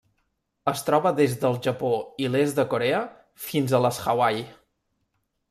Es troba des del Japó i l'est de Corea fins a les Hawaii.